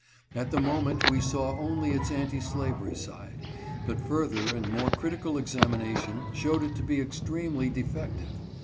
At the moment we saw only its anti slayery side. But further and more critical examination showed it to be extremely defective.